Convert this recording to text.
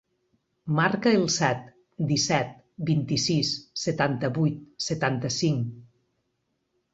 Marca el set, disset, vint-i-sis, setanta-vuit, setanta-cinc.